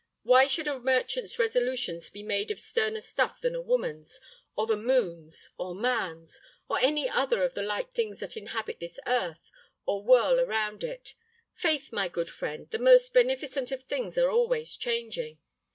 Why should a merchant's resolutions be made of sterner stuff than a woman's, or the moon's, or man's, or any other of the light things that inhabit this earth, or whirl around it? Faith, my good friend, the most beneficent of things are always changing.